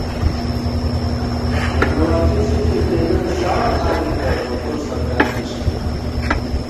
ننواتی ذکر کېئیمېن ݭاڑ آنېتہ نوکور سرکاری بِسہ